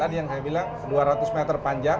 yang saya bilang dua ratus meter panjang